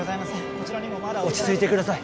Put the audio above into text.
こちらにもまだ落ち着いてください